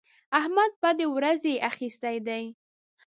احمد بدې ورځې اخيستی دی.